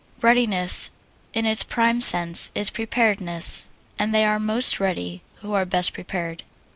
Readiness, in its prime sense, is preparedness, and they are most ready who are best prepared.